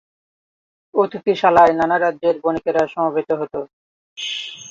অতিথিশালায় নানা রাজ্যের বণিকেরা সমবেত হত।